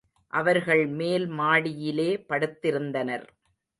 அவர்கள் மேல் மாடியிலே படுத்திருந்தனர்.